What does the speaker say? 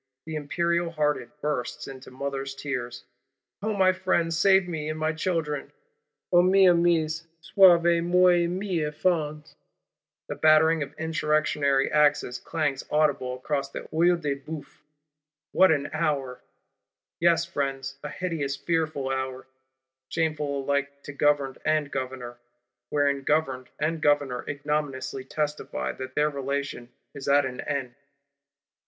The Imperial hearted bursts into mother's tears: 'O my friends, save me and my children, O mes amis, sauvez moi et mes enfans!' The battering of Insurrectionary axes clangs audible across the Œil de Bœuf. What an hour! Yes, Friends: a hideous fearful hour; shameful alike to Governed and Governor; wherein Governed and Governor ignominiously testify that their relation is at an end.